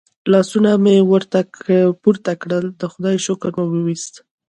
لاسونه مې پورته کړل د خدای شکر مو وایست.